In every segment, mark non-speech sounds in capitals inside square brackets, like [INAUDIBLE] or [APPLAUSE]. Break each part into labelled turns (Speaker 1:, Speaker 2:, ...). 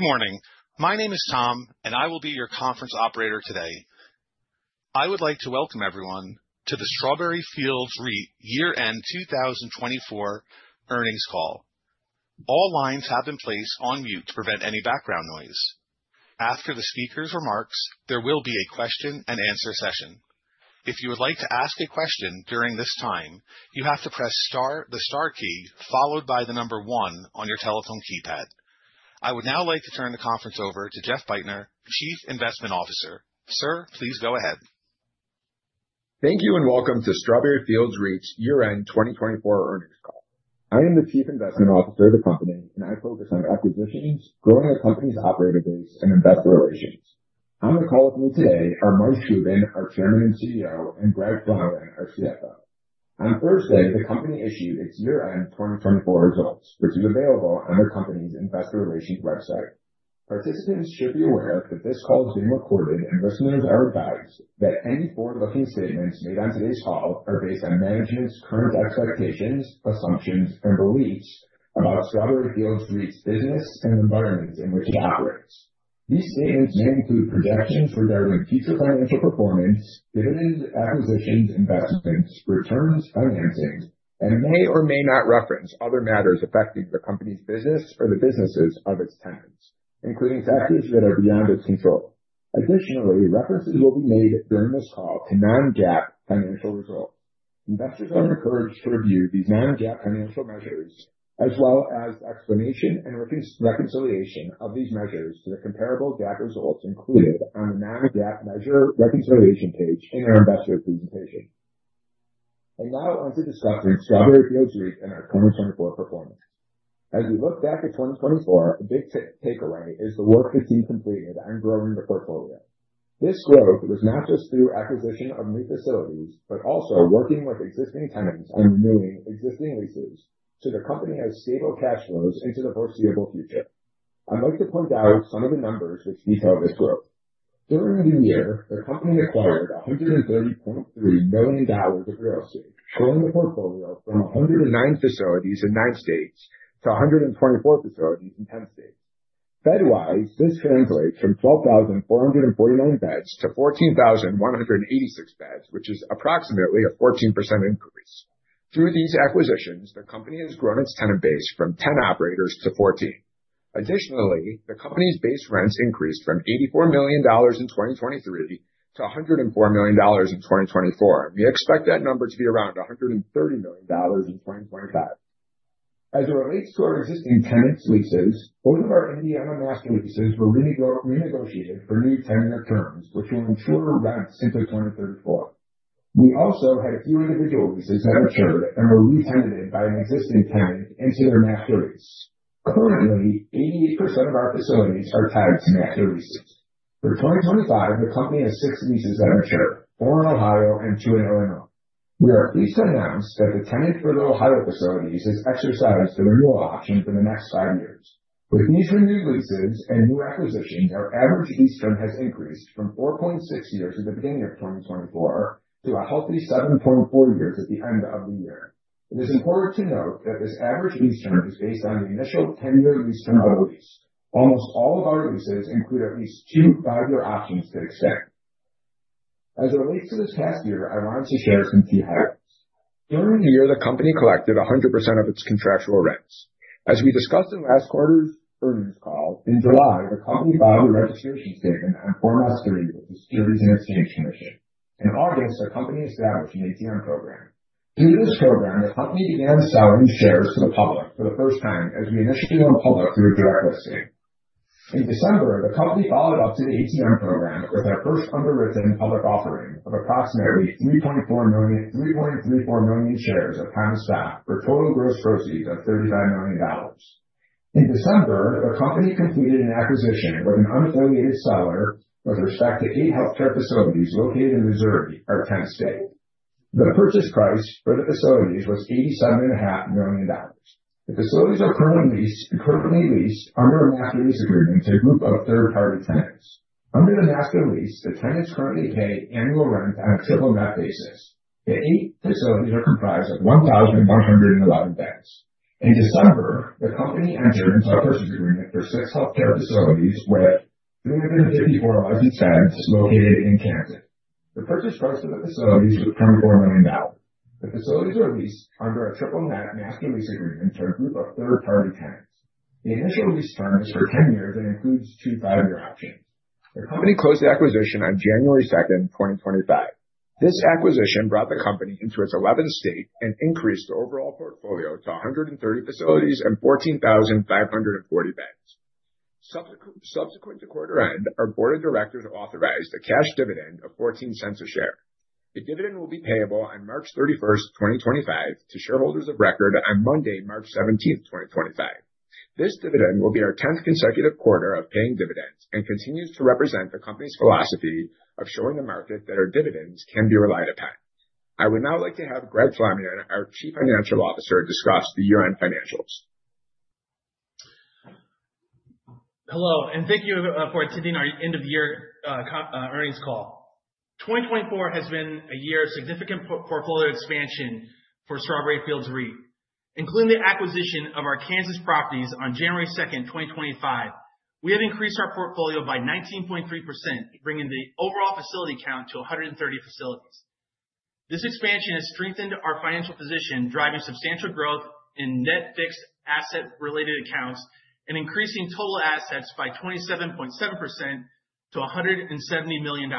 Speaker 1: Good morning. My name is Tom, and I will be your conference operator today. I would like to welcome everyone to the Strawberry Fields REIT Year-End 2024 Earnings Call. All lines have been placed on mute to prevent any background noise. After the speakers' remarks, there will be a question and answer session. If you would like to ask a question during this time, you have to press the star key followed by the number one on your telephone keypad. I would now like to turn the conference over to Jeffrey Bajtner, Chief Investment Officer. Sir, please go ahead.
Speaker 2: Thank you and welcome to Strawberry Fields REIT's Year-End 2024 Earnings Call. I am the Chief Investment Officer of the company, and I focus on acquisitions, growing the company's operator base, and investor relations. On the call with me today are Moishe Gubin, our Chairman and CEO, and Greg Flamion, our CFO. On Thursday, the company issued its year-end 2024 results, which is available on the company's investor relations website. Participants should be aware that this call is being recorded and listeners are advised that any forward-looking statements made on today's call are based on management's current expectations, assumptions, and beliefs about Strawberry Fields REIT's business and the environment in which it operates. These statements may include projections regarding future financial performance, dividends, acquisitions, investments, returns, financings, and may or may not reference other matters affecting the company's business or the businesses of its tenants, including factors that are beyond its control. Additionally, references will be made during this call to non-GAAP financial results. Investors are encouraged to review these non-GAAP financial measures as well as the explanation and reconciliation of these measures to the comparable GAAP results included on the Non-GAAP Measure Reconciliation page in our investor presentation. I now want to discuss Strawberry Fields REIT and our 2024 performance. As we look back at 2024, the big takeaway is the work the team completed on growing the portfolio. This growth was not just through acquisition of new facilities, but also working with existing tenants on renewing existing leases so the company has stable cash flows into the foreseeable future. I'd like to point out some of the numbers which detail this growth. During the year, the company acquired $130.3 million of real estate, growing the portfolio from 109 facilities in nine states to 124 facilities in 10 states. Bed-wise, this translates from 12,449 beds to 14,186 beds, which is approximately a 14% increase. Through these acquisitions, the company has grown its tenant base from 10 operators to 14. Additionally, the company's base rents increased from $84 million in 2023 to $104 million in 2024. We expect that number to be around $130 million in 2025. As it relates to our existing tenants' leases, both of our Indiana master leases were renegotiated for new 10-year terms, which will ensure rent into 2034. We also had a few individual leases that matured and were re-tenanted by an existing tenant into their master lease. Currently, 88% of our facilities are tied to master leases. For 2025, the company has six leases that mature, four in Ohio and two in Illinois. We are pleased to announce that the tenant for the Ohio facilities has exercised the renewal option for the next five years. With these renewed leases and new acquisitions, our average lease term has increased from 4.6 years at the beginning of 2024 to a healthy 7.4 years at the end of the year. It is important to note that this average lease term is based on the initial 10-year lease term of the lease. Almost all of our leases include at least two five-year options to extend. As it relates to the past year, I want to share some key highlights. During the year, the company collected 100% of its contractual rents. As we discussed in last quarter's earnings call, in July, the company filed a registration statement on Form S-3 with the Securities and Exchange Commission. In August, the company established an ATM program. Through this program, the company began selling shares to the public for the first time as we initiated went public through a direct listing. In December, the company followed up to the ATM program with our first underwritten public offering of approximately 3.34 million shares of common stock for total gross proceeds of $35 million. In December, the company completed an acquisition with an unaffiliated seller with respect to eight healthcare facilities located in Missouri and Kansas. The purchase price for the facilities was $87.5 million. The facilities are currently leased under a master lease agreement to a group of third-party tenants. Under the master lease, the tenants currently pay annual rent on a triple net basis. The eight facilities are comprised of 1,111 beds. In December, the company entered into a purchase agreement for six healthcare facilities with 354 licensed beds located in Kansas. The purchase price for the facilities was $24 million. The facilities are leased under a triple net master lease agreement to a group of third-party tenants. The initial lease term is for 10 years and includes two five-year options. The company closed the acquisition on January 2nd, 2025. This acquisition brought the company into its 11th state and increased the overall portfolio to 130 facilities and 14,540 beds. Subsequent to quarter end, our board of directors authorized a cash dividend of $0.14 a share. The dividend will be payable on March 31st, 2025, to shareholders of record on Monday, March 17th, 2025. This dividend will be our 10th consecutive quarter of paying dividends and continues to represent the company's philosophy of showing the market that our dividends can be relied upon. I would now like to have Greg Flamion, our Chief Financial Officer, discuss the year-end financials.
Speaker 3: Hello, and thank you for attending our end-of-year earnings call. 2024 has been a year of significant portfolio expansion for Strawberry Fields REIT. Including the acquisition of our Kansas properties on January 2nd, 2025, we have increased our portfolio by 19.3%, bringing the overall facility count to 130 facilities. This expansion has strengthened our financial position, driving substantial growth in net fixed asset related accounts and increasing total assets by 27.7% to $170 million.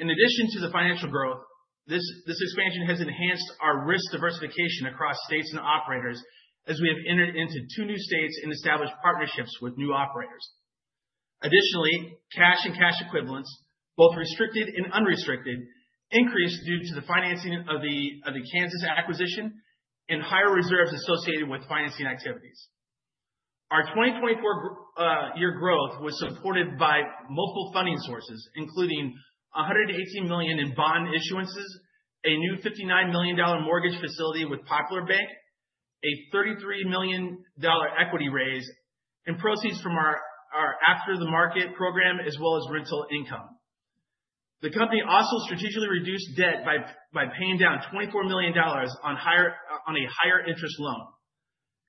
Speaker 3: In addition to the financial growth, this expansion has enhanced our risk diversification across states and operators as we have entered into two new states and established partnerships with new operators. Additionally, cash and cash equivalents, both restricted and unrestricted, increased due to the financing of the Kansas acquisition and higher reserves associated with financing activities. Our 2024 year growth was supported by multiple funding sources, including $118 million in bond issuances, a new $59 million mortgage facility with Popular Bank, a $33 million equity raise, and proceeds from our after-the-market program, as well as rental income. The company also strategically reduced debt by paying down $24 million on a higher interest loan.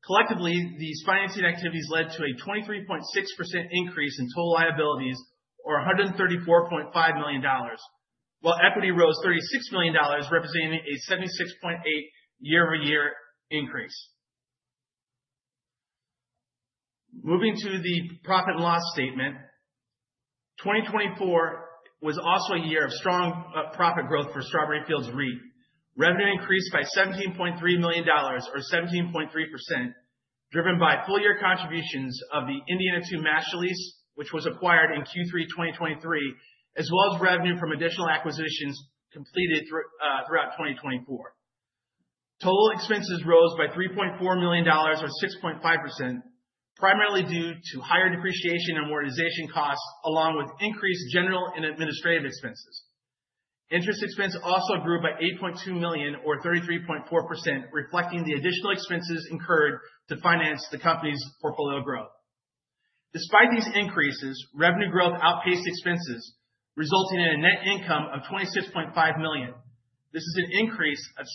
Speaker 3: Collectively, these financing activities led to a 23.6% increase in total liabilities or $134.5 million. While equity rose $36 million, representing a 76.8% year-over-year increase. Moving to the profit and loss statement. 2024 was also a year of strong profit growth for Strawberry Fields REIT. Revenue increased by $17.3 million or 17.3%, driven by full year contributions of the Indiana master lease, which was acquired in Q3 2023, as well as revenue from additional acquisitions completed throughout 2024. Total expenses rose by $3.4 million or 6.5%, primarily due to higher depreciation and amortization costs, along with increased general and administrative expenses. Interest expense also grew by $8.2 million or 33.4%, reflecting the additional expenses incurred to finance the company's portfolio growth. Despite these increases, revenue growth outpaced expenses, resulting in a net income of $26.5 million. This is an increase of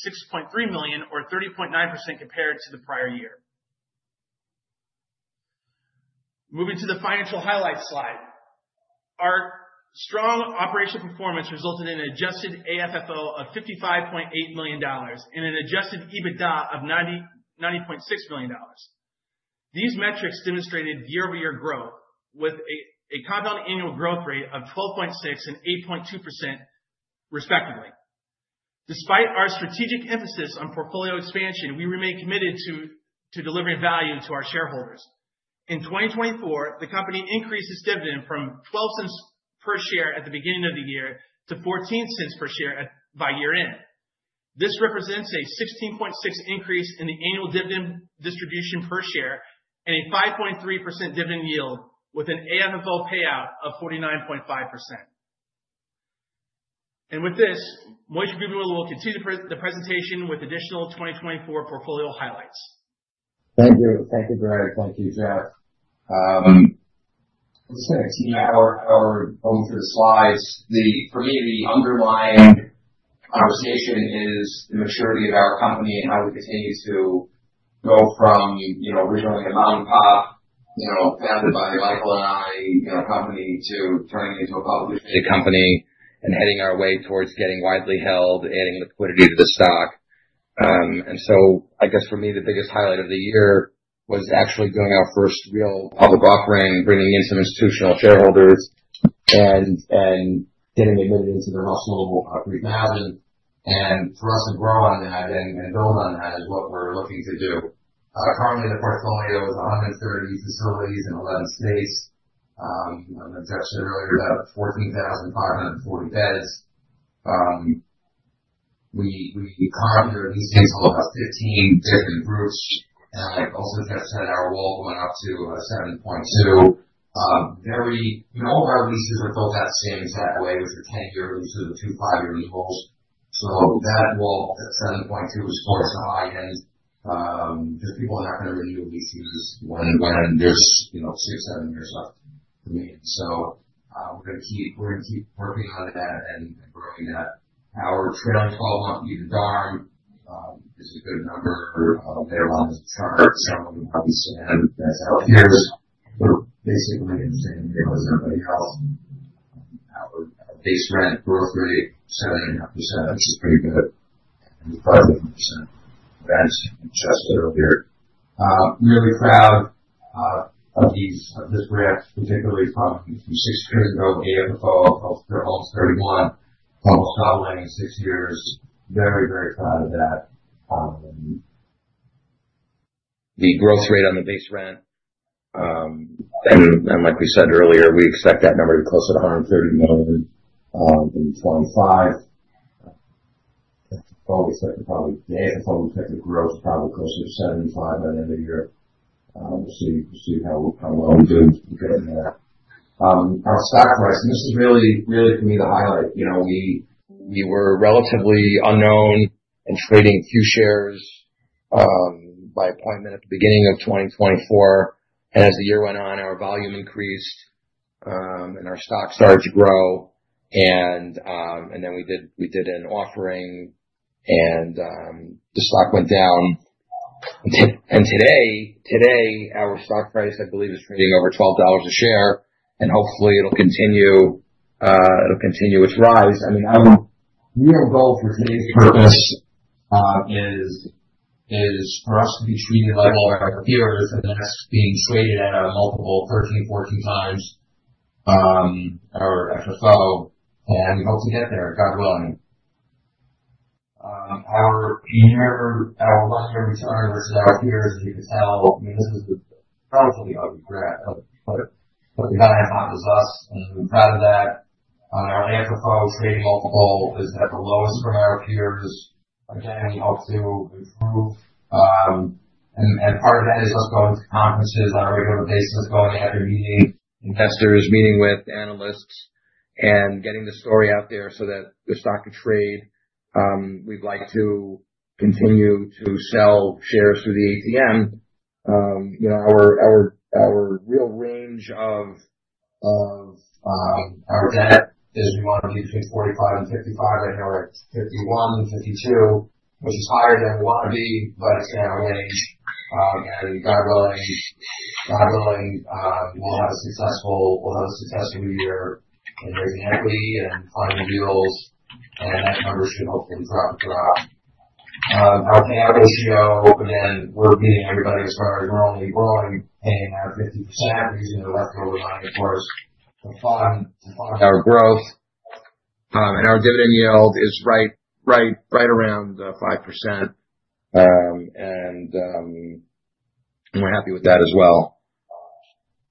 Speaker 3: $6.3 million or 30.9% compared to the prior year. Moving to the financial highlights slide. Our strong operational performance resulted in an adjusted AFFO of $55.8 million and an adjusted EBITDA of $90.6 million. These metrics demonstrated year-over-year growth with a compound annual growth rate of 12.6% and 8.2% respectively. Despite our strategic emphasis on portfolio expansion, we remain committed to delivering value to our shareholders. In 2024, the company increased its dividend from $0.12 per share at the beginning of the year to $0.14 per share by year end. This represents a 16.6% increase in the annual dividend distribution per share and a 5.3% dividend yield with an AFFO payout of 49.5%. Moishe Gubin will continue the presentation with additional 2024 portfolio highlights.
Speaker 4: Thank you. Thank you, Greg. Thank you, Jeff. As we go through the slides, for me, the underlying conversation is the maturity of our company and how it continues to go from originally a mom and pop, founded by Michael and I company to turning into a publicly traded company and heading our way towards getting widely held, adding liquidity to the stock. I guess for me, the biggest highlight of the year was actually doing our first real public offering, bringing in some institutional shareholders and getting admitted into the Russell Global REIT Index. For us to grow on that and build on that is what we're looking to do. Currently, the portfolio is 130 facilities in 11 states. You know, as I mentioned earlier, about 14,540 beds. We currently are leasing to about 15 different groups. Like also Jeff said, our WALT went up to 7.2. All of our leases are built that same exact way, which are 10-year leases with two five-year renewals. That WALT up to 7.2 is towards the high end because people are not going to renew leases when there's six, seven years left for me. We're going to keep working on that and growing that. Our trade on 12 month EBITDA is a good number. They're on the chart, some of you probably saw that. That's out years. We're basically in the same neighborhood as everybody else. Our base rent growth rate, 7.5%, which is pretty good. 5% rents, as Jeff said earlier. Really proud of this ramp, particularly from six years ago, AFFO of $31 almost doubling in six years. Very proud of that. The growth rate on the base rent, like we said earlier, we expect that number to close at $130 million in 2025. AFFO, we expect the growth probably closer to $75 by the end of the year. We'll see how well we're doing getting there. Our stock price, this is really for me the highlight. We were relatively unknown and trading few shares By appointment at the beginning of 2024. As the year went on, our volume increased, our stock started to grow. Then we did an offering, the stock went down. Today, our stock price, I believe, is trading over $12 a share, hopefully it'll continue its rise. Our real goal for today's purpose is for us to be treated like all of our peers, that's being traded at a multiple of 13, 14 times our FFO. We hope to get there, God willing. Our year-over-year return versus our peers, as you can tell, this is the front of the graph, but the dynamic is us, I'm proud of that. Our FFO trading multiple is at the lowest from our peers. Again, we hope to improve. Part of that is us going to conferences on a regular basis, going out there, meeting investors, meeting with analysts, getting the story out there so that the stock could trade. We'd like to continue to sell shares through the ATM. Our real range of our debt is we want to be between 45% and 55%. Right now we're at 51%, 52%, which is higher than we want to be, but it's in our range. God willing, we'll have a successful new year in raising equity and finding deals, that number should hopefully drop throughout. Our payout ratio, again, we're beating everybody as far as we're only growing, paying out 50%, using the rest of the money, of course, to fund our growth. Our dividend yield is right around 5%, and we're happy with that as well.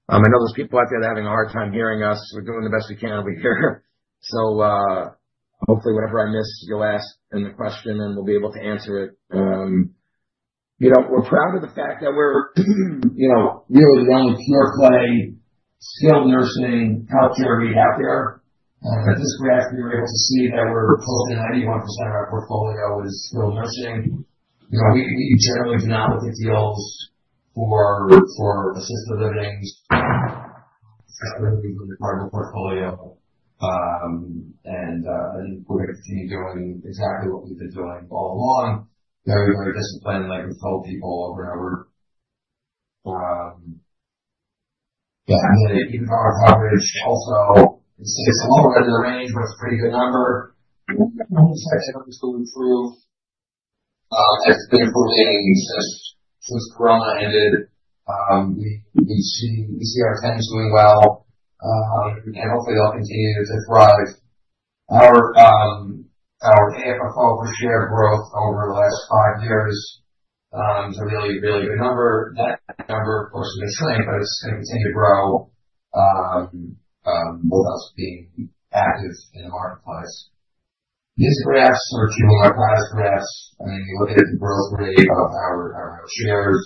Speaker 4: I know there's people out there having a hard time hearing us. We're doing the best we can over here. Hopefully, whatever I miss, you'll ask in the question, and we'll be able to answer it. We're proud of the fact that we're really the only pure-play, skilled nursing, healthcare REIT out there. At this graph, you're able to see that we're close to 91% of our portfolio is skilled nursing. We generally do not look at deals for assisted livings. That's going to be from the current portfolio. We're going to continue doing exactly what we've been doing all along. I mean, very disciplined, like we've told people over and over. We expect that number to improve. It's been improving since Corona ended. We see our tenants doing well, and hopefully they'll continue to thrive. Our FFO per share growth over the last five years is a really good number. That number, of course, may shrink, but it's going to continue to grow with us being active in the marketplace. These graphs are two of our progress graphs. You look at it grossly of our shares.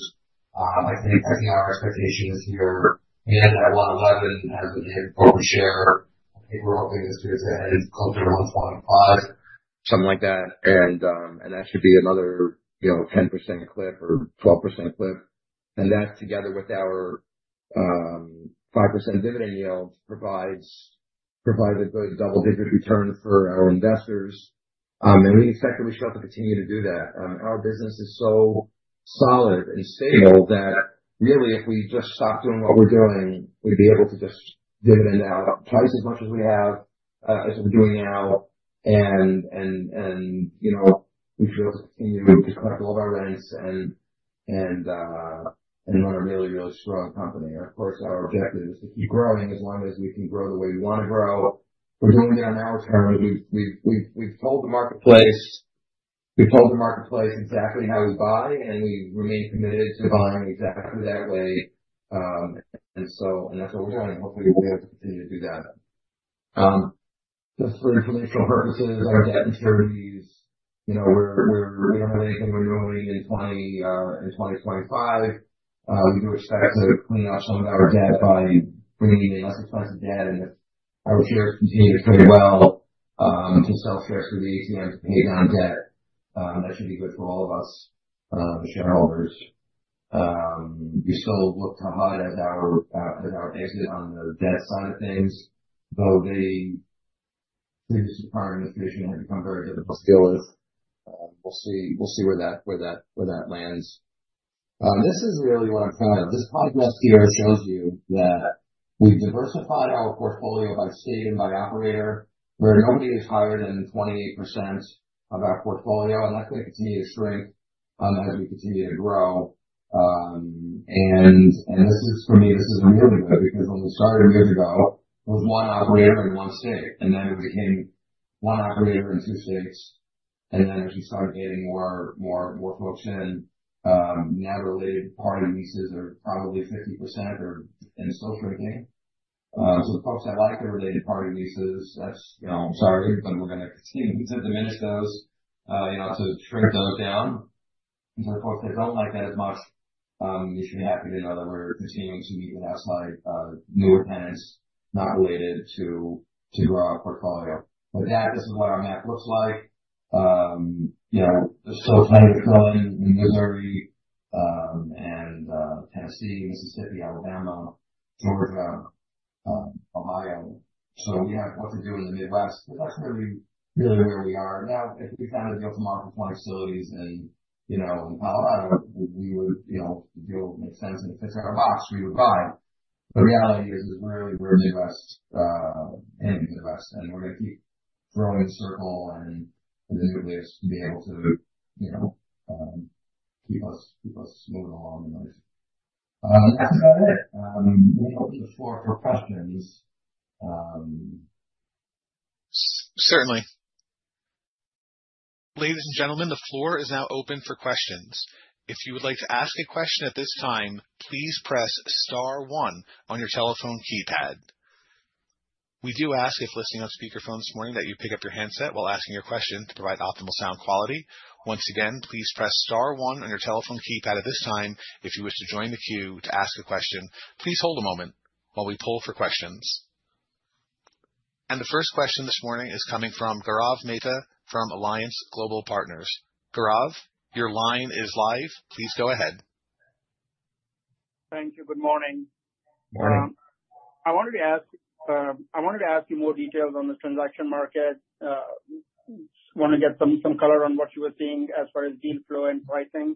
Speaker 4: I think our expectation this year, and at $1.11 as of the FFO per share, I think we're hoping this year to end close around $1.25. Something like that. That should be another 10% clip or 12% clip. That together with our 5% dividend yield provides a good double-digit return for our investors. We expect that we should be able to continue to do that. Our business is so solid and stable that really, if we just stop doing what we're doing, we'd be able to just dividend out twice as much as we have, as we're doing now. We feel to continue to collect all of our rents and run a really strong company. Of course, our objective is to keep growing as long as we can grow the way we want to grow. We're doing it on our terms. We've told the marketplace exactly how we buy, and we remain committed to buying exactly that way. That's what we're doing, and hopefully, we'll be able to continue to do that. Just for informational purposes, our debt maturities, we don't have anything we're owing in 2025. We do expect to clean out some of our debt by bringing in less expensive debt. If our shares continue to trade well, to sell shares through the ATM to pay down debt, that should be good for all of us shareholders. We still look hard at our exit on the debt side of things, though the interest environment has become very difficult. We'll see where that lands. This is really what I'm proud of. This progress here shows you that we've diversified our portfolio by state and by operator, where nobody is higher than 28% of our portfolio, that's going to continue to shrink as we continue to grow. This is, for me, this is really good because when we started years ago, it was one operator in one state, then it became one operator in two states, then as we started getting more folks in. Related party leases are probably 50% or still shrinking. Folks that like the related party leases, I'm sorry, but we're going to continue to diminish those, to shrink those down. Of course, they don't like that as much. You should be happy to know that we're continuing to meet and ask new tenants not related to our portfolio. With that, this is what our map looks like. There's still plenty to fill in in Missouri and Tennessee, Mississippi, Alabama, Georgia, Ohio. We have what to do in the Midwest, but that's really where we are now. If we found a deal tomorrow for 20 facilities in Colorado, if the deal makes sense and it fits our box, we would buy. The reality is really we're Midwest and we're going to keep growing in circle and as it relates to be able to keep us moving along nicely. That's about it. Let me open the floor for questions.
Speaker 1: Certainly. Ladies and gentlemen, the floor is now open for questions. If you would like to ask a question at this time, please press star one on your telephone keypad. We do ask, if listening on speaker phone this morning, that you pick up your handset while asking your question to provide optimal sound quality. Once again, please press star one on your telephone keypad at this time if you wish to join the queue to ask a question. Please hold a moment while we poll for questions. The first question this morning is coming from Gaurav Mehta from Alliance Global Partners. Gaurav, your line is live. Please go ahead.
Speaker 5: Thank you. Good morning.
Speaker 4: Morning.
Speaker 5: I wanted to ask you more details on the transaction market. Want to get some color on what you are seeing as far as deal flow and pricing.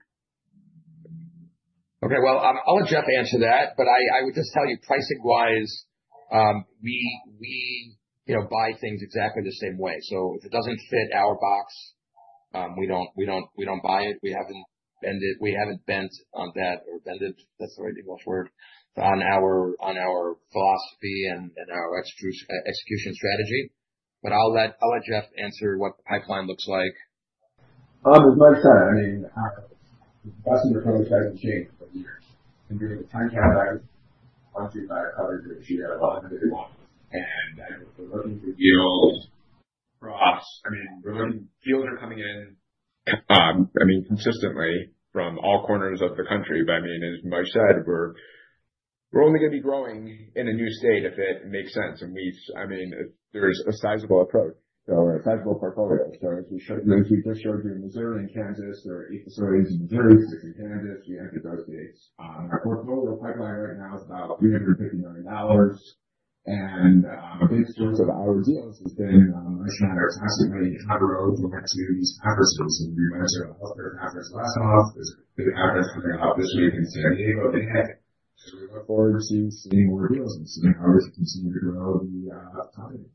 Speaker 4: Well, I'll let Jeff answer that, but I would just tell you pricing-wise, we buy things exactly the same way. If it doesn't fit our box, we don't buy it. We haven't bent on that or bended, if that's the right English word, on our philosophy and our execution strategy. I'll let Jeff answer what the pipeline looks like.
Speaker 2: As Moish said, the investment approach hasn't changed for years. We have a time-tested, street-tested approach that we've used for a long, long time. We're looking for deals. For us, deals are coming in consistently from all corners of the country. As Moish said, we're only going to be growing in a new state if it makes sense, and there's a sizable approach or a sizable portfolio. As we just showed you in Missouri and Kansas, there are eight facilities in Missouri, six in Kansas. We had to go to eight. Our portfolio pipeline right now is about $350 million, and a big source of our deals has been Moish and I are constantly on the road looking at these assets. We went and saw a healthcare asset last month. There's a good asset coming out this week in San Diego. Hey, we look forward to seeing more deals and obviously continue to grow the top line.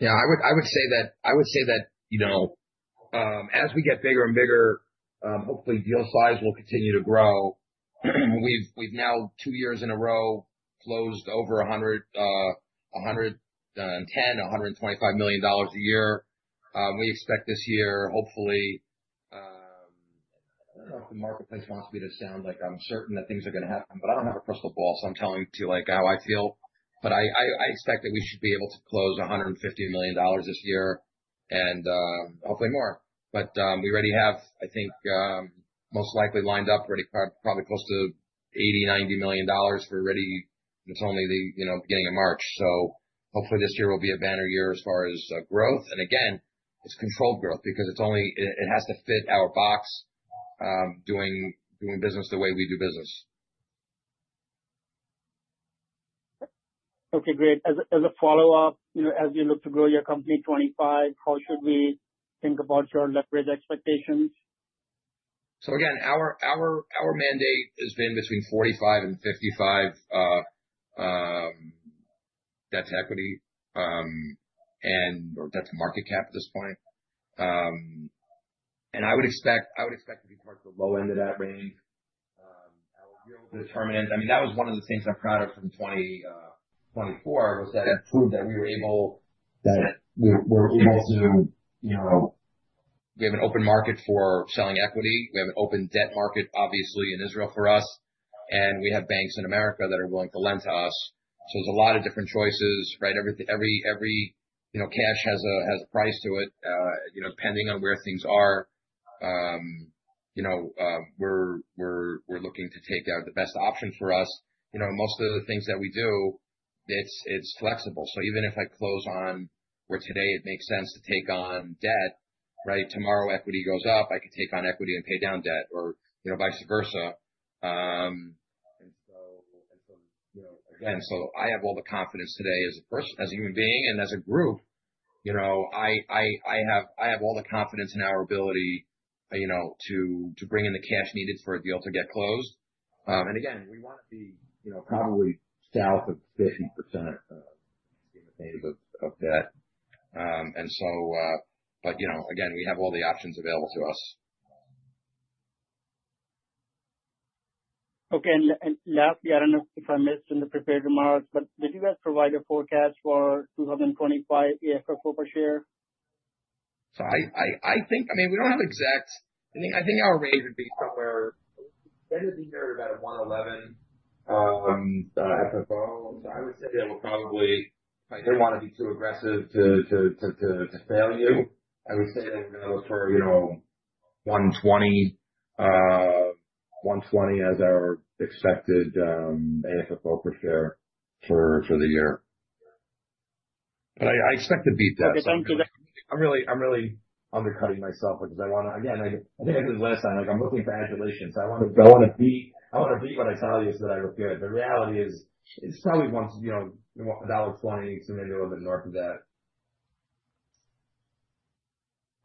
Speaker 4: Yeah, I would say that as we get bigger and bigger, hopefully deal size will continue to grow. We've now two years in a row closed over $110 million-$125 million a year. We expect this year, hopefully I don't know if the marketplace wants me to sound like I'm certain that things are going to happen, but I don't have a crystal ball, so I'm telling it to you like how I feel. I expect that we should be able to close $150 million this year and hopefully more. We already have, I think, most likely lined up probably close to $80 million-$90 million. It's only the beginning of March, so hopefully this year will be a banner year as far as growth. Again, it's controlled growth because it has to fit our box, doing business the way we do business.
Speaker 5: Okay, great. As a follow-up, as you look to grow your company in 2025, how should we think about your leverage expectations?
Speaker 4: Again, our mandate has been between 45% and 55%, debt to equity, or debt to market cap at this point. I would expect to be towards the low end of that range. That was one of the things I'm proud of from 2024, was that it proved that we have an open market for selling equity. We have an open debt market, obviously, in Israel for us, and we have banks in the U.S. that are willing to lend to us. There's a lot of different choices, right? Every cash has a price to it depending on where things are. We're looking to take the best option for us. Most of the things that we do, it's flexible. Even if I close on where today it makes sense to take on debt, right? Tomorrow equity goes up, I could take on equity and pay down debt or vice versa. Again, I have all the confidence today as a person, as a human being, and as a group, I have all the confidence in our ability to bring in the cash needed for a deal to get closed. Again, we want to be probably south of 50% of the weight of debt. Again, we have all the options available to us.
Speaker 5: Okay. Lastly, I don't know if I missed in the prepared remarks, but did you guys provide a forecast for 2025 AFFO per share?
Speaker 4: I think our range would be somewhere. It's going to be near that $1.11. I would say that we're probably I didn't want to be too aggressive to fail you. I would say that we're for $1.20 as our expected AFFO per share for the year. I expect to beat that.
Speaker 5: Okay. Thank you.
Speaker 4: I'm really undercutting myself because I want to, again, I think I said it last time, I'm looking for adulation. I want to beat what I tell you so that I look good. The reality is, it's probably $1.20, somewhere a little bit north of that.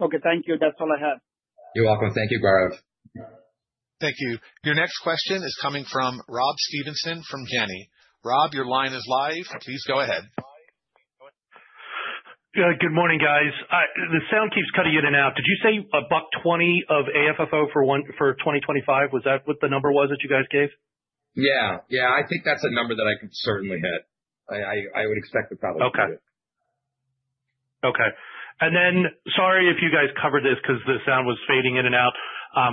Speaker 5: Okay. Thank you. That's all I have.
Speaker 4: You're welcome. Thank you, Gaurav.
Speaker 1: Thank you. Your next question is coming from Rob Stevenson from Janney. Rob, your line is live. Please go ahead.
Speaker 6: Good morning, guys. The sound keeps cutting in and out. Did you say $1.20 of AFFO for 2025? Was that what the number was that you guys gave?
Speaker 4: Yeah. I think that's a number that I can certainly hit. I would expect that that would do it.
Speaker 6: Okay. Sorry if you guys covered this because the sound was fading in and out,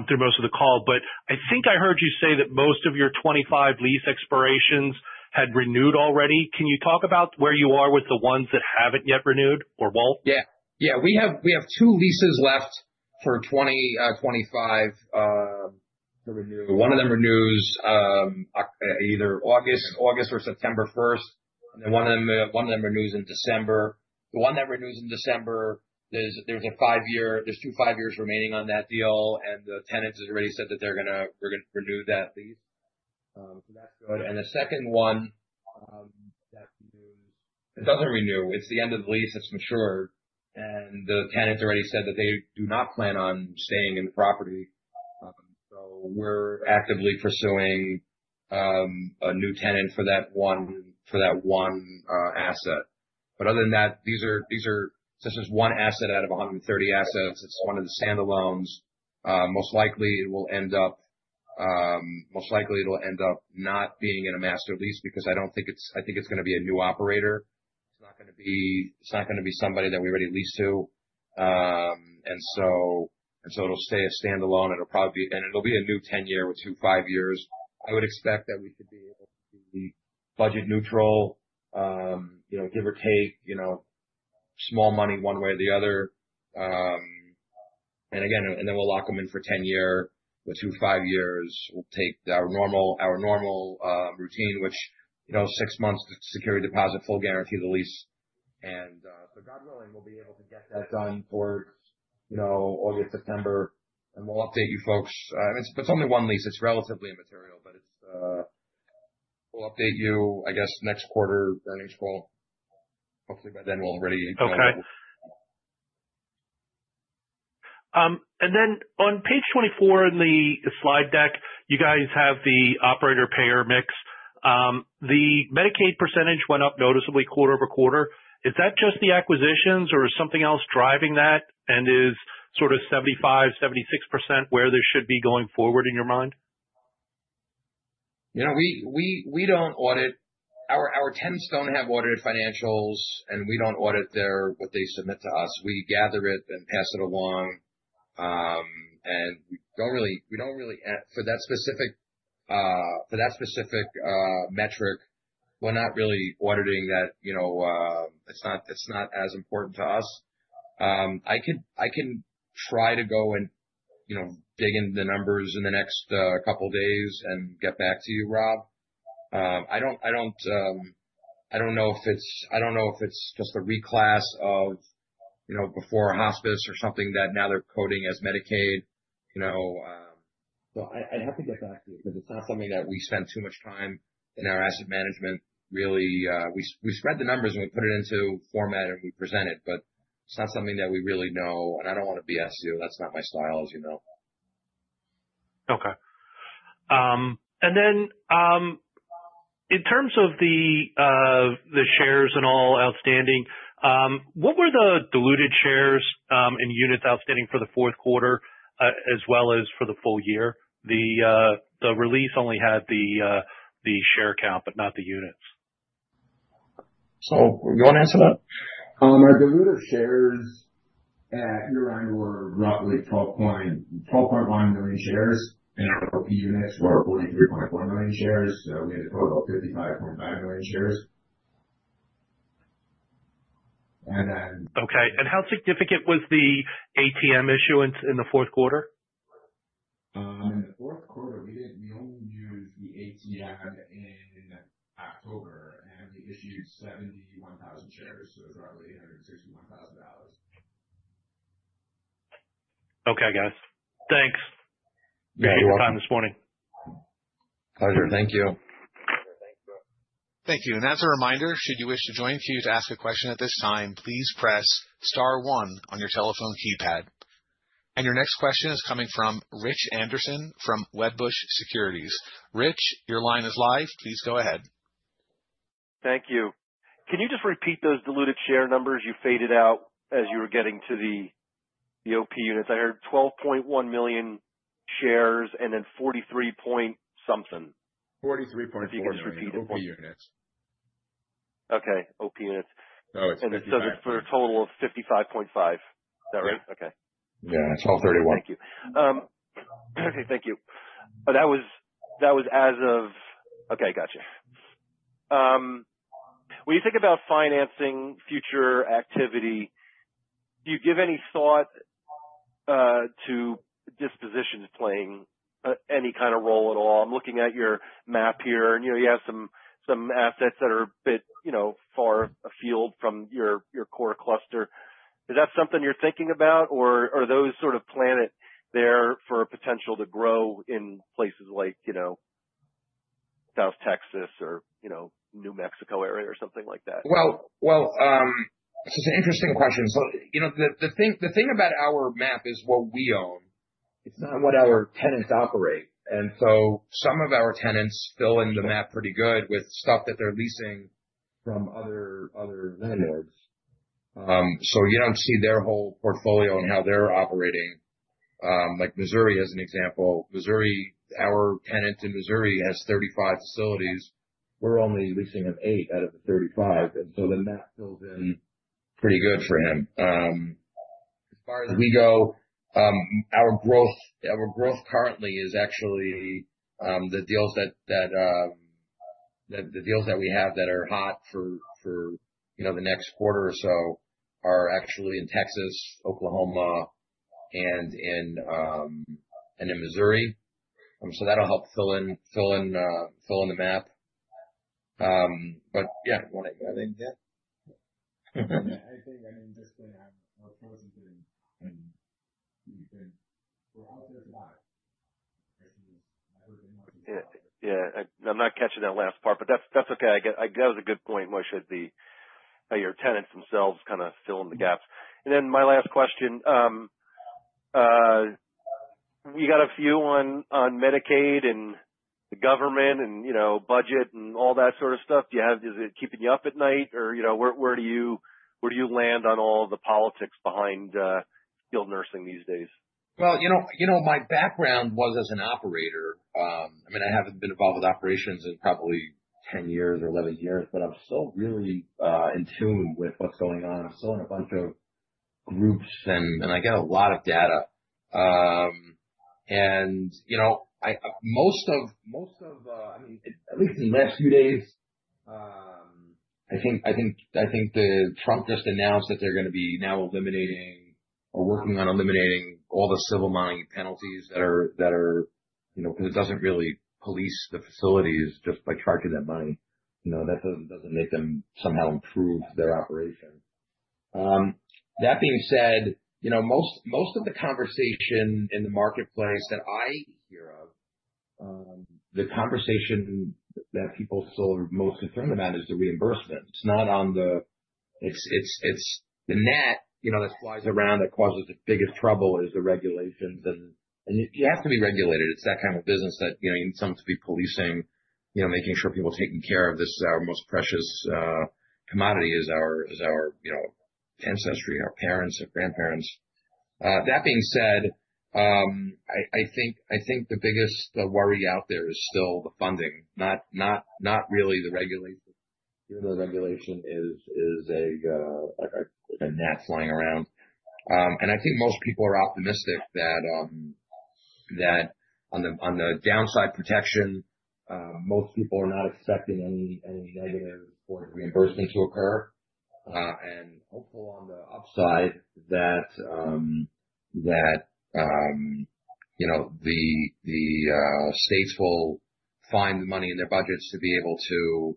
Speaker 6: through most of the call, but I think I heard you say that most of your 2025 lease expirations had renewed already. Can you talk about where you are with the ones that haven't yet renewed or both?
Speaker 4: Yeah. We have two leases left for 2025 to renew. One of them renews, either August or September 1st, one of them renews in December. The one that renews in December, there's two five-years remaining on that deal, the tenant has already said that they're going to renew that lease. That's good. The second one, it doesn't renew. It's the end of the lease that's matured, the tenant's already said that they do not plan on staying in the property. We're actively pursuing a new tenant for that one asset. Other than that's just one asset out of 130 assets. It's one of the standalones. Most likely it'll end up not being in a master lease because I think it's going to be a new operator. It's not going to be somebody that we already lease to. It'll stay a standalone, it'll be a new 10-year with two five years. I would expect that we should be able to be budget neutral, give or take, small money one way or the other. We'll lock them in for 10-year with two five years. We'll take our normal routine, which six months security deposit, full guarantee of the lease. God willing, we'll be able to get that done for August, September, we'll update you folks. It's only one lease. It's relatively immaterial, we'll update you, I guess, next quarter earnings call. Hopefully by then we'll already know.
Speaker 6: Okay. On page 24 in the slide deck, you guys have the operator payer mix. The Medicaid percentage went up noticeably quarter-over-quarter. Is that just the acquisitions or is something else driving that, and is sort of 75%-76% where they should be going forward in your mind?
Speaker 4: Our tenants don't have audited financials, we don't audit what they submit to us. We gather it, pass it along. For that specific metric, we're not really auditing that. It's not as important to us. I can try to go and dig into the numbers in the next couple days and get back to you, Rob. I don't know if it's just a reclass of before hospice or something that now they're coding as Medicaid. I'd have to get back to you because it's not something that we spend too much time in our asset management really. We spread the numbers, and we put it into a format, and we present it, but it's not something that we really know, and I don't want to BS you. That's not my style, as you know.
Speaker 6: Okay. In terms of the shares and all outstanding, what were the diluted shares, and units outstanding for the fourth quarter, as well as for the full year? The release only had the share count, but not the units.
Speaker 4: You want to answer that?
Speaker 2: Our diluted shares at year-end were roughly 12.1 million shares, and our OP units were 43.4 million shares. We had a total of 55.5 million shares.
Speaker 6: Okay. How significant was the ATM issuance in the fourth quarter?
Speaker 2: In the fourth quarter, we only used the ATM at the end in October. We issued 71,000 shares, roughly $861,000.
Speaker 6: Okay, guys. Thanks.
Speaker 4: Yeah. You're welcome.
Speaker 6: Thank you for your time this morning.
Speaker 4: Pleasure. Thank you.
Speaker 2: Sure. Thanks, Rob.
Speaker 1: Thank you. As a reminder, should you wish to join queue to ask a question at this time, please press star one on your telephone keypad. Your next question is coming from Rich Anderson from Wedbush Securities. Rich, your line is live. Please go ahead.
Speaker 7: Thank you. Can you just repeat those diluted share numbers? You faded out as you were getting to the OP Units. I heard 12.1 million shares and then 43 point something.
Speaker 2: 43.4 million OP Units.
Speaker 7: Okay. OP Units.
Speaker 4: No, it's 55.
Speaker 7: For a total of 55.5, is that right?
Speaker 4: Yeah.
Speaker 7: Okay.
Speaker 4: Yeah, it's all 31.
Speaker 7: Thank you. Okay, thank you. That was as of Okay, got you. When you think about financing future activity, do you give any thought to dispositions playing any kind of role at all? I'm looking at your map here and you have some assets that are a bit far afield from your core cluster. Is that something you're thinking about? Are those sort of planted there for a potential to grow in places like South Texas or New Mexico area or something like that?
Speaker 4: Well, this is an interesting question. The thing about our map is what we own is not what our tenants operate. Some of our tenants fill in the map pretty good with stuff that they're leasing from other vendors. You don't see their whole portfolio and how they're operating. Like Missouri, as an example. Our tenant in Missouri has 35 facilities. We're only leasing them 8 out of the 35, and the map fills in pretty good for him. As far as we go, our growth currently is actually the deals that we have that are hot for the next quarter or so are actually in Texas, Oklahoma, and in Missouri. That'll help fill in the map. Yeah.
Speaker 7: Yeah. I think, I mean, just when I was presenting and you said we're out there a lot. Yeah. I'm not catching that last part, but that's okay. That was a good point, Moishe, how your tenants themselves kind of fill in the gaps. My last question. You got a few on Medicaid and the government and budget and all that sort of stuff. Is it keeping you up at night or where do you land on all the politics behind skilled nursing these days?
Speaker 4: Well, my background was as an operator. I haven't been involved with operations in probably 10 years or 11 years, but I'm still really in tune with what's going on. I'm still in a bunch of groups, and I get a lot of data. Most of, I mean, at least in the last few days, I think Trump just announced that they're going to be now eliminating or working on eliminating all the civil money penalties that are It doesn't really police the facilities just by charging them money. That doesn't make them somehow improve their operation. That being said, most of the conversation in the marketplace that I hear of, the conversation that people still are most concerned about is the reimbursement. It's not. It's the gnat that flies around that causes the biggest trouble is the regulations. You have to be regulated. It's that kind of business that you need someone to be policing, making sure people are taken care of. This is our most precious commodity is our ancestry, our parents, our grandparents. That being said, I think the biggest worry out there is still the funding, not really the regulation, even though regulation is a gnat flying around. I think most people are optimistic that on the downside protection, most people are not expecting any negative sort of reimbursements to occur. Hopeful on the upside that the states will find the money in their budgets to be able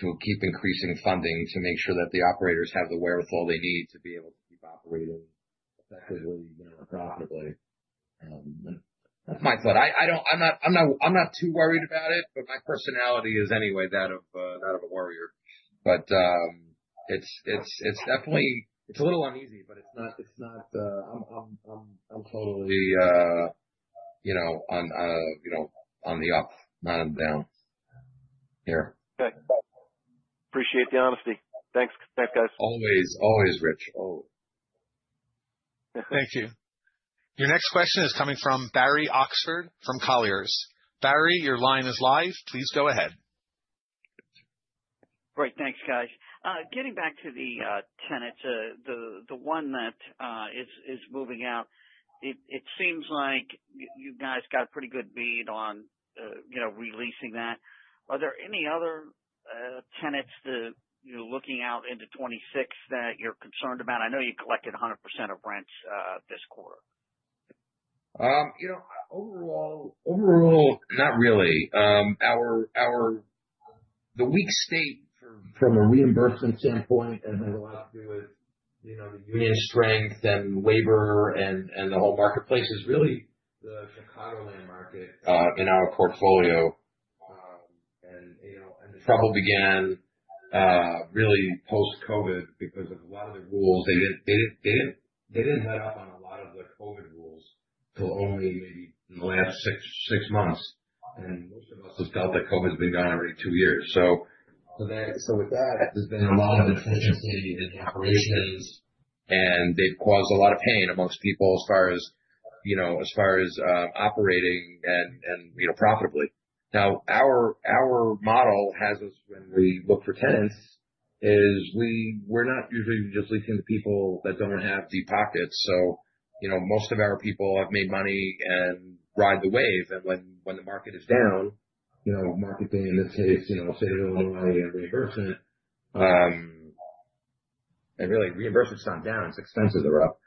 Speaker 4: to keep increasing funding to make sure that the operators have the wherewithal they need to be able to keep operating effectively and profitably. That's my thought. I'm not too worried about it, but my personality is anyway that of a worrier. It's definitely a little uneasy, but it's not I'm totally on the up, not on the down here.
Speaker 7: Okay. Appreciate the honesty. Thanks, guys.
Speaker 4: Always, Rich. Always.
Speaker 1: Thank you. Your next question is coming from Barry Oxford from Colliers. Barry, your line is live. Please go ahead.
Speaker 8: Great. Thanks, guys. Getting back to the tenants, the one that is moving out, it seems like you guys got a pretty good bead on re-leasing that. Are there any other tenants that you're looking out into 2026 that you're concerned about? I know you collected 100% of rents this quarter.
Speaker 4: Overall, not really. The weak state from a reimbursement standpoint and has a lot to do with union strength and labor and the whole marketplace is really the Chicagoland market in our portfolio. The trouble began really post-COVID because of a lot of the rules. They didn't let up on a lot of the COVID rules till only maybe in the last six months. Most of us have felt that COVID's been gone already two years. With that, there's been a lot of inefficiency in operations, they've caused a lot of pain amongst people as far as As far as operating and profitably. Our model has us, when we look for tenants, is we're not usually just leasing to people that don't have deep pockets. Most of our people have made money and ride the wave. When the market is down, marketing in this case, save a little money and reimburse it. Really, reimbursements aren't down, it's expenses are up.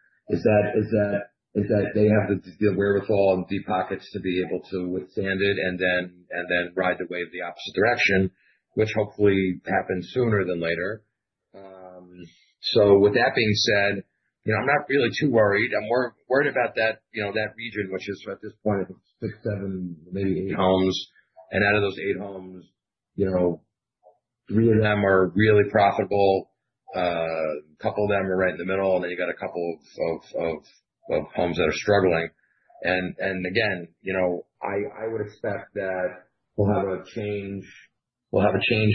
Speaker 4: Is that they have the wherewithal and deep pockets to be able to withstand it and then ride the wave the opposite direction, which hopefully happens sooner than later. With that being said, I'm not really too worried. I'm more worried about that region, which is at this point, I think six, seven, maybe eight homes. Out of those eight homes, three of them are really profitable. Then you got a couple of homes that are struggling. Again, I would expect that we'll have a change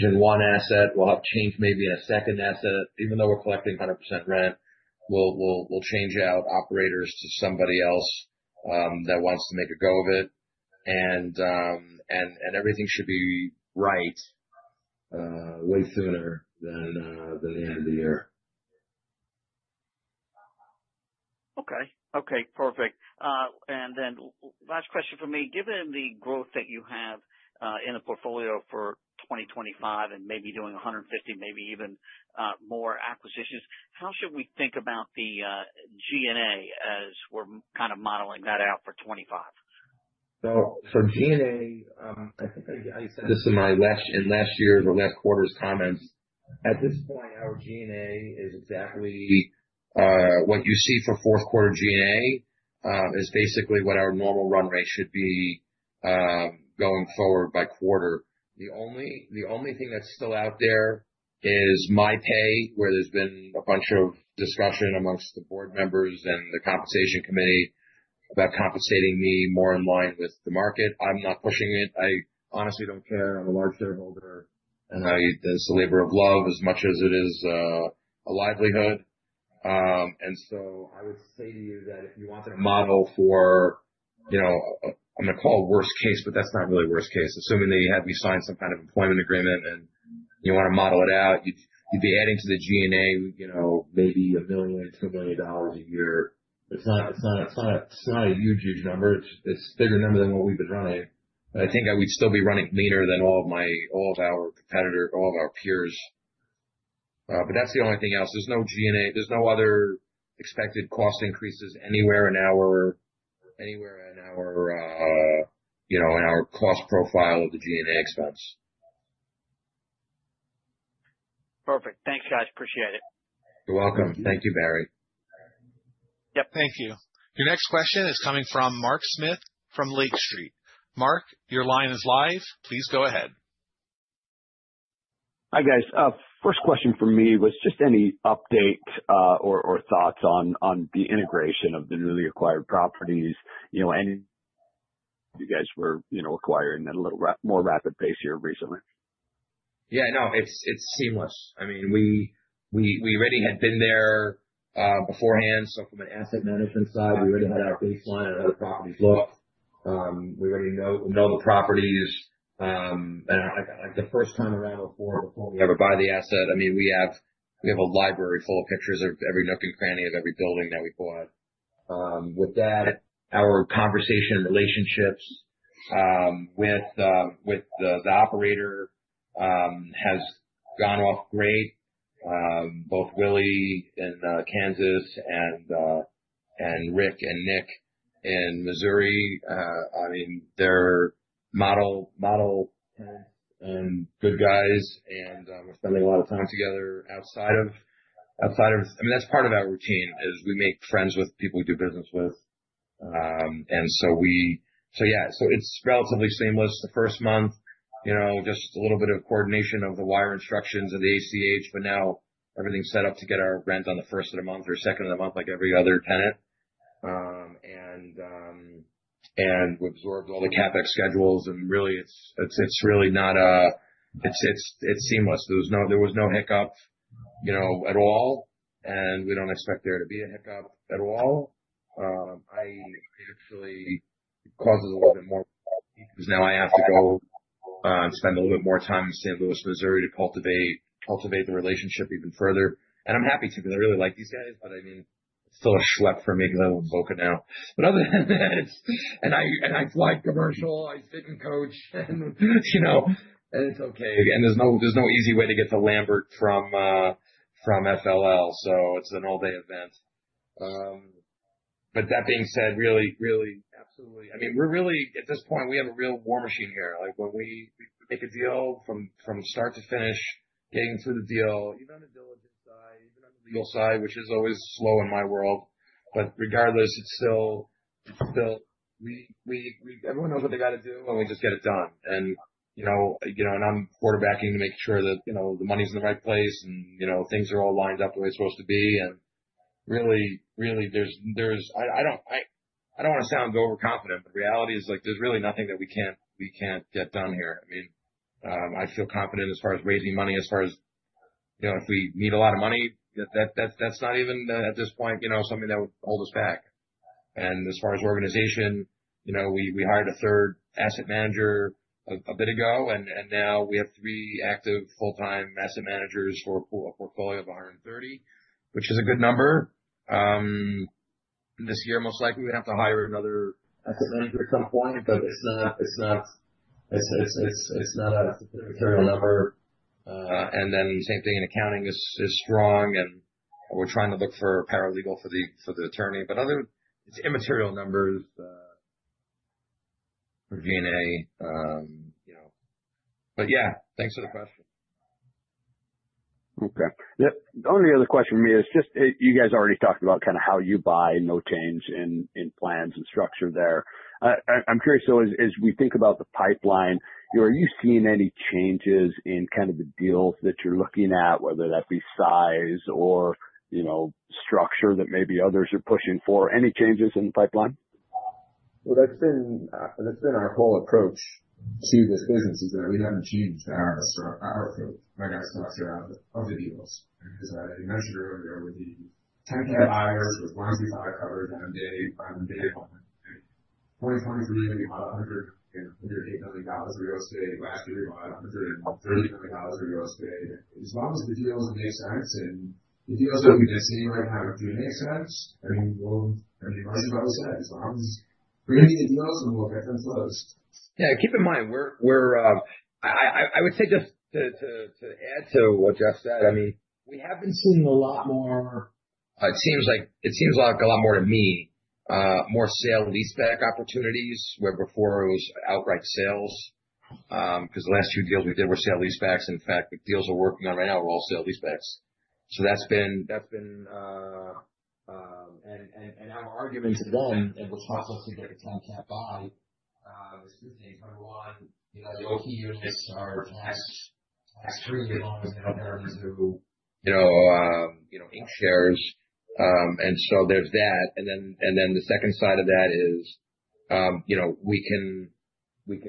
Speaker 4: in one asset. We'll have change maybe in a second asset. Even though we're collecting 100% rent, we'll change out operators to somebody else that wants to make a go of it. Everything should be right way sooner than the end of the year.
Speaker 8: Okay. Perfect. Then last question from me. Given the growth that you have in the portfolio for 2025 and maybe doing 150, maybe even more acquisitions, how should we think about the G&A as we're kind of modeling that out for 2025?
Speaker 4: For G&A, I think I said this in last year's or last quarter's comments. At this point, our G&A is exactly what you see for fourth quarter G&A, is basically what our normal run rate should be going forward by quarter. The only thing that's still out there is my pay, where there's been a bunch of discussion amongst the board members and the compensation committee about compensating me more in line with the market. I'm not pushing it. I honestly don't care. I'm a large shareholder. This is a labor of love as much as it is a livelihood. I would say to you that if you wanted to model for, I'm going to call worst case, but that's not really worst case. Assuming that you had me sign some kind of employment agreement and you want to model it out, you'd be adding to the G&A maybe $1 million, $2 million a year. It's not a huge number. It's bigger number than what we've been running. I think I would still be running leaner than all of our peers. That's the only thing else. There's no other expected cost increases anywhere in our cost profile of the G&A expense.
Speaker 8: Perfect. Thanks, guys. Appreciate it.
Speaker 4: You're welcome. Thank you, Barry.
Speaker 8: Yep.
Speaker 1: Thank you. Your next question is coming from Mark Smith from Lake Street. Mark, your line is live. Please go ahead.
Speaker 9: Hi, guys. First question from me was just any update or thoughts on the integration of the newly acquired properties. You guys were acquiring at a little more rapid pace here recently.
Speaker 4: No, it's seamless. We already had been there beforehand. From an asset management side, we already had our baseline on how the properties look. We already know the properties. The first time around before we ever buy the asset, we have a library full of pictures of every nook and cranny of every building that we bought. With that, our conversation and relationships with the operator has gone off great. Both Willie in Kansas and Rick and Nick in Missouri, they're model tenants and good guys, and we're spending a lot of time together. That's part of our routine, is we make friends with people we do business with. Yeah. It's relatively seamless. The first month, just a little bit of coordination of the wire instructions of the ACH, everything's set up to get our rent on the first of the month or second of the month like every other tenant. We absorbed all the CapEx schedules and really it's seamless. There was no hiccup at all, and we don't expect there to be a hiccup at all. It actually causes a little bit more work for me because now I have to go and spend a little bit more time in St. Louis, Missouri, to cultivate the relationship even further. I'm happy to because I really like these guys, it's still a schlep for me because I live in Boca now. Other than that and I fly commercial, I sit in coach and it's okay. There's no easy way to get to Lambert from FLL, it's an all-day event. That being said, really, absolutely. At this point, we have a real war machine here. When we make a deal from start to finish, getting through the deal, even on the diligence side, even on the legal side, which is always slow in my world. Regardless, everyone knows what they got to do, we just get it done. I'm quarterbacking to make sure that the money's in the right place and things are all lined up the way it's supposed to be. Really, I don't want to sound overconfident, reality is there's really nothing that we can't get done here. I feel confident as far as raising money. If we need a lot of money, that's not even at this point something that would hold us back. As far as organization, we hired a third asset manager a bit ago, now we have three active full-time asset managers for a portfolio of 130, which is a good number. This year, most likely, we have to hire another asset manager at some point, it's not a material number. Same thing, accounting is strong, we're trying to look for a paralegal for the attorney. Other, it's immaterial numbers. For [VNA]. Yeah, thanks for the question.
Speaker 9: Okay. The only other question from me is just you guys already talked about how you buy, no change in plans and structure there. I'm curious, though, as we think about the pipeline, are you seeing any changes in the deals that you're looking at, whether that be size or structure that maybe others are pushing for? Any changes in the pipeline?
Speaker 4: Well, that's been our whole approach to this business, is that we haven't changed our approach, I guess, of the deals. I mentioned earlier with the 10-cap buyers, as long as we feel like we're going to make money. 2023, we bought $108 million of real estate. Last year, we bought $130 million of real estate. As long as the deals make sense and the deals that we've been seeing right now do make sense, we'll, as Michael said, as long as bring me the deals and we'll get them closed. Keep in mind, I would say just to add to what Jeff said, we have been seeing a lot more to me, more sale-leaseback opportunities, where before it was outright sales. The last two deals we did were sale-leasebacks. In fact, the deals we're working on right now are all sale-leasebacks. That's been- Our argument to them, and what's helped us to get the 10-cap buy is number 1, the OP Units are class 3 loans in [INAUDIBLE] shares. There's that. The second side of that is we can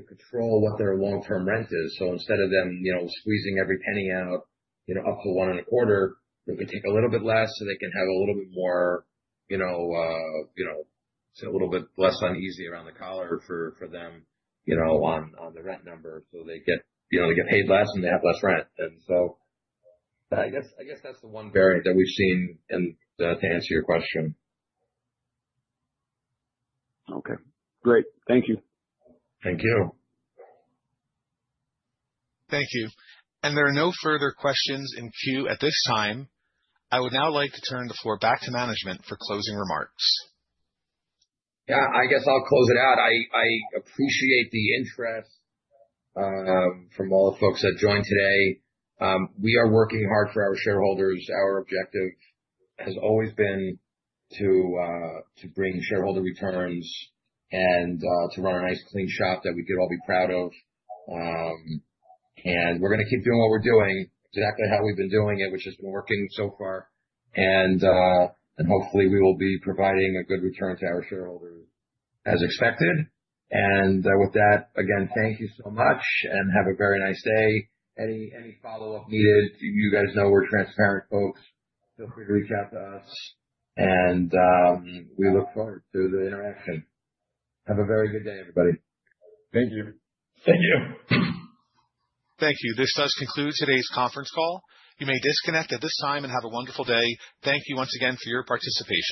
Speaker 4: control what their long-term rent is. Instead of them squeezing every penny out up to one and a quarter, they can take a little bit less, they can have a little bit more, a little bit less uneasy around the collar for them on the rent number. They get paid less, they have less rent. I guess that's the one variant that we've seen to answer your question.
Speaker 9: Okay, great. Thank you.
Speaker 4: Thank you.
Speaker 1: Thank you. There are no further questions in queue at this time. I would now like to turn the floor back to management for closing remarks.
Speaker 4: Yeah. I guess I'll close it out. I appreciate the interest from all the folks that joined today. We are working hard for our shareholders. Our objective has always been to bring shareholder returns and to run a nice clean shop that we could all be proud of. We're going to keep doing what we're doing, exactly how we've been doing it, which has been working so far. Hopefully, we will be providing a good return to our shareholders as expected. With that, again, thank you so much and have a very nice day. Any follow-up needed, you guys know we're transparent folks. Feel free to reach out to us, and we look forward to the interaction. Have a very good day, everybody. Thank you.
Speaker 9: Thank you.
Speaker 1: Thank you. This does conclude today's conference call. You may disconnect at this time, and have a wonderful day. Thank you once again for your participation.